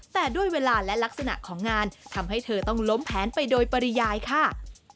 แต่ด้วยเวลาและลักษณะของงานทำให้เธอต้องล้มแผนไปโดยปริยายค่ะ